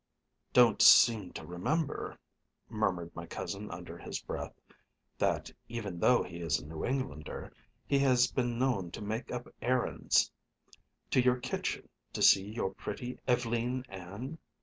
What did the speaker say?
"Don't I seem to remember," murmured my cousin under his breath, "that, even though he is a New Englander, he has been known to make up errands to your kitchen to see your pretty Ev'leen Ann?"